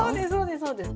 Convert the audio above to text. そうです